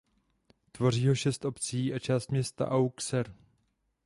Tvoří ho šest obcí a část města Auxerre.